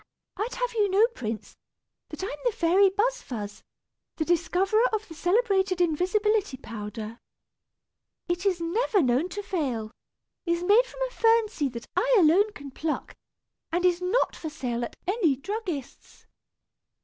"I'd have you to know, prince, that I'm the fairy Buz fuz, the discoverer of the celebrated invisibility powder. It is never known to fail, is made from a fern seed that I alone can pluck, and is not for sale at any druggist's!